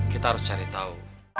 kita harus cari tahu